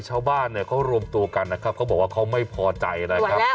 ชาวบ้านเนี่ยเขารวมตัวกันนะครับเขาบอกว่าเขาไม่พอใจนะครับ